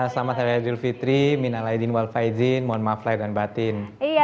selamat hari raya idul fitri min alaydin wal faizin mohon maaflah dan batin